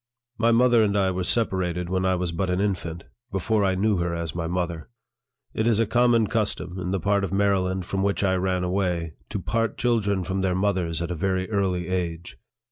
My mother and I were separated when I was but an infant before I knew her as my mother. It is a common custom, in the part of Maryland from which I ran away, to part children from their mothers at a very early age.